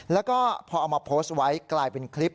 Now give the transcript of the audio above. แล้วก็พอเอามาโพสต์ไว้กลายเป็นคลิป